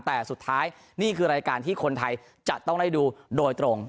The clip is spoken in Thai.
แต่สุดท้ายนี่คือรายการที่คนไทยจะต้องได้ดูโดยตรง